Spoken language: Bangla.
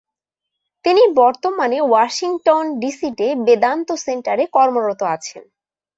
তিনি বর্তমানে ওয়াশিংটন ডিসি তে বেদান্ত সেন্টারে কর্মরত আছেন।